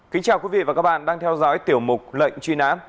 kính chào quý vị và các bạn đang theo dõi tiểu mục lệnh truy nã